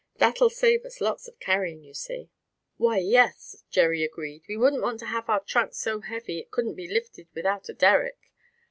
That'll save us lots of carrying, you see." "Why, yes," Jerry agreed, "we wouldn't want to have our trunk so heavy it couldn't be lifted without a derrick.